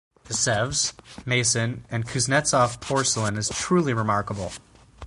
The Sevres, Meissen and Kuznetzov porcelain is truly remarkable.